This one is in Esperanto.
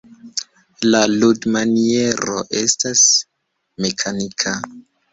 La ludmaniero estas mekanika.